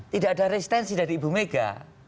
tidak ada resistensi dari ibu mega